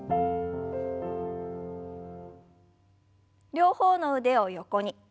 両方の腕を横に。